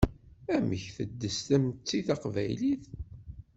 Amek teddes tmetti taqbaylit?